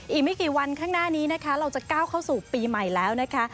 อีกไม่กี่วันข้างหน้านี้นะคะเราจะก้าวเข้าสู่ปีใหม่แล้วนะคะ